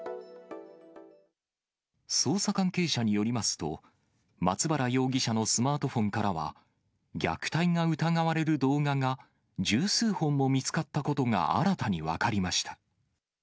捜査関係者によりますと、松原容疑者のスマートフォンからは、虐待が疑われる動画が十数本も見つかったことが新たに分かりました。